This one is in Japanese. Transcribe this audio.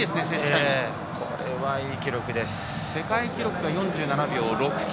世界記録が４７秒６９。